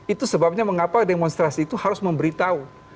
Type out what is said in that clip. itu sebabnya mengapa demonstrasi itu harus memberitahu